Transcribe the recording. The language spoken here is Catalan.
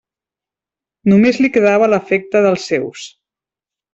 Només li quedava l'afecte dels seus.